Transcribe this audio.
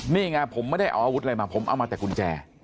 นี่ไงผมไม่ได้เอาอาวุธอะไรมาผมเอามาแต่กุญแจ